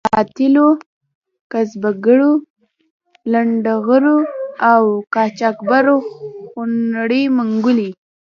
د قاتلو، قبضه ګرو، لنډه غرو او قاچاق برو خونړۍ منګولې.